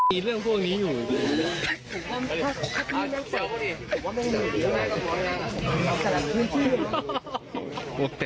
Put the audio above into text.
มีเรื่องพวกนี้อยู่